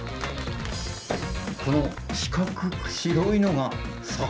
この四角く白いのが魚？